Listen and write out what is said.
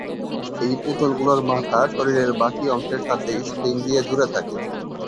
এই পুতুল গুলোর মাথা শরীরের বাকি অংশের সাথে স্প্রিং দিয়ে জুড়ে থাকে।